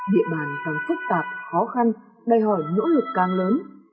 địa bàn càng phức tạp khó khăn đòi hỏi nỗ lực càng lớn